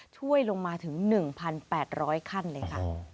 ช่วยลงมาถึง๑๘๐๐ขั้นเลยค่ะ